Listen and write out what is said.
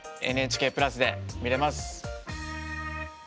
「ＮＨＫプラス」で見れます。